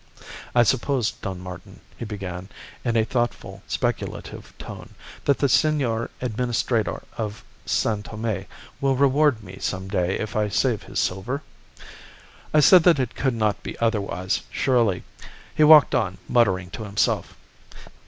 "'I suppose, Don Martin,' he began, in a thoughtful, speculative tone, 'that the Senor Administrador of San Tome will reward me some day if I save his silver?' "I said that it could not be otherwise, surely. He walked on, muttering to himself.